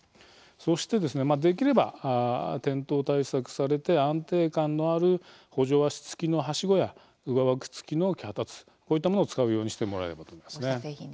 そして、できれば転倒対策されて安定感のある補助脚つきのはしごや上枠つきの脚立こういったものを使うようにしてもらえればと思います。